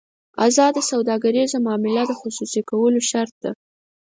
ازاده سوداګریزه معامله د خصوصي کولو شرط ده.